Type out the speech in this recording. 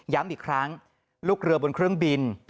อีกครั้งลูกเรือบนเครื่องบิน